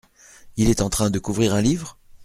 Il est en train de couvrir un livre ?